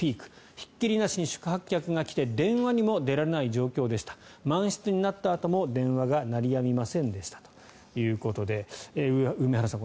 ひっきりなしに宿泊客が来て電話にも出られない状況でした満室になったあとも電話が鳴りやみませんでしたということで梅原さん